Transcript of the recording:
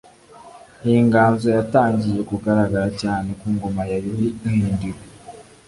Iyi nganzo yatangiye kugaragara cyane ku ngoma ya Yuhi Gahindiro